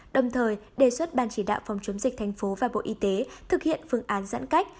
đồng thời đề xuất ban chỉ đạo phòng chống dịch thành phố và bộ y tế thực hiện phương án giãn cách